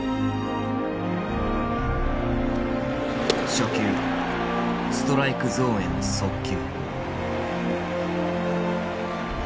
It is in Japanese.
初球ストライクゾーンへの速球。